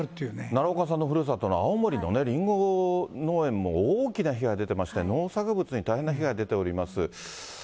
奈良岡さんのふるさとの青森のりんご農園も、大きな被害出てまして、農作物に大変な被害が出ております。